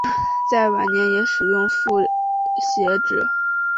在晚年也使用复写纸。